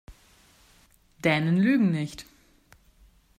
Dänen lügen nicht.